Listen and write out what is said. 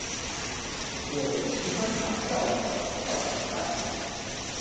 我的提款卡掉了，要怎麼辦?